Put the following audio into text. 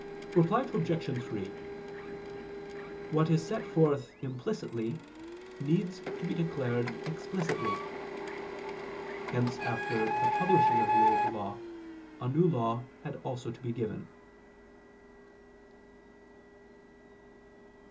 Reply Obj. 3: What is set forth implicitly needs to be declared explicitly. Hence after the publishing of the Old Law, a New Law also had to be given.